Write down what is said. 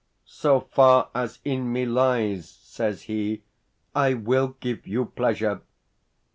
"So far as in me lies," says he, "I will give you pleasure."